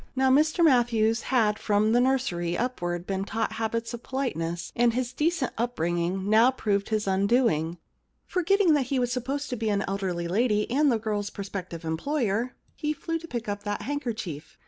Now Mr Matthews had from the nursery upwards been taught habits of politeness, and his decent upbringing now proved his undoing. Forgetting that he was supposed to be an elderly lady and the girFs prospective em ployer, he flew to pick up that handkerchief.